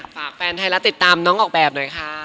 ฝากแฟนไทยรัฐติดตามน้องออกแบบหน่อยค่ะ